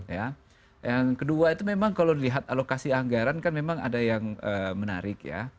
yang kedua itu memang kalau dilihat alokasi anggaran kan memang ada yang menarik ya